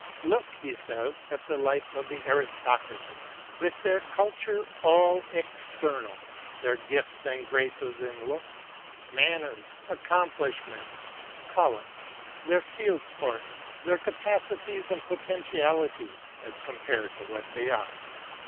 Look, he says, at the life of the aristocracy, with their culture all external; their gifts and graces in looks, manners, accomplishments, prowess ; their field sports, their capabilities and poten tialities as compared with what they are.